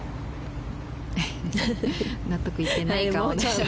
納得いっていない顔でしたね。